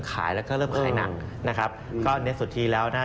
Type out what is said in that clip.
ขายไปเกือบ๒๕๐๐๐ล้าน